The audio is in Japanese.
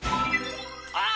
あっ！